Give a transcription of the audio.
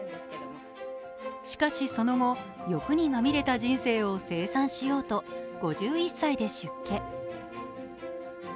しかし、その後、欲にまみれた人生を清算しようと５１歳で出家。